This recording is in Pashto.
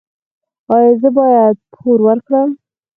ایا زه باید پور ورکړم؟